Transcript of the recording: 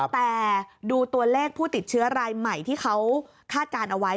แต่ดูตัวเลขผู้ติดเชื้อรายใหม่ที่เขาคาดการณ์เอาไว้